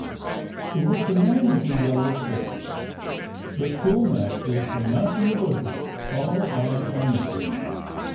It was the man with the yellow face. The schoolmaster came out from the bushes, followed by Imogene.